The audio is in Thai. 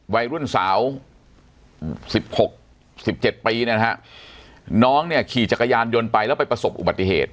วัยรุ่นสาว๑๖๑๗ปีเนี่ยนะฮะน้องเนี่ยขี่จักรยานยนต์ไปแล้วไปประสบอุบัติเหตุ